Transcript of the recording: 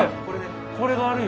これがあるよ。